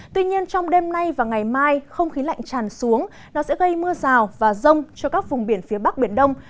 tuy nhiên trong đêm nay và ngày mai không khí lạnh tràn xuống nó sẽ gây mưa rào và rông cho các vùng biển phía bắc biển đông